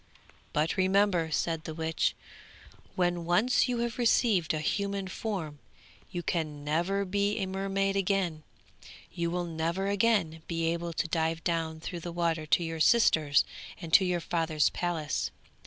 'But remember,' said the witch, 'when once you have received a human form, you can never be a mermaid again; you will never again be able to dive down through the water to your sisters and to your father's palace.